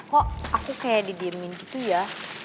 kok aku kayak didiemin gitu ya